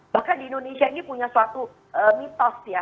bahkan di indonesia ini punya suatu mitos ya